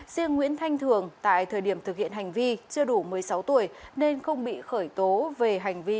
riêng nguyễn thanh thường tại thời điểm thực hiện hành vi chưa đủ một mươi sáu tuổi nên không bị khởi tố về hành vi